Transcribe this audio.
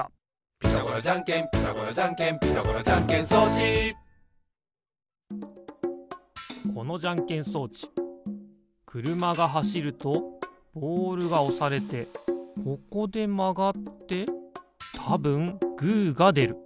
「ピタゴラじゃんけんピタゴラじゃんけん」「ピタゴラじゃんけん装置」このじゃんけん装置くるまがはしるとボールがおされてここでまがってたぶんグーがでる。